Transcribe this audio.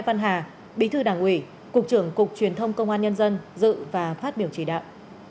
phan hà bí thư đảng ủy cục trưởng cục truyền thông công an nhân dân dự và phát biểu chỉ đạo